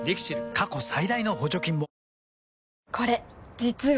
過去最大の補助金もこれ実は。